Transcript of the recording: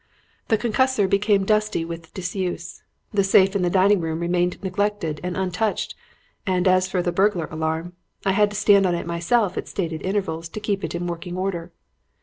The concussor became dusty with disuse; the safe in the dining room remained neglected and untouched, and as for the burglar alarm, I had to stand on it myself at stated intervals to keep it in working order.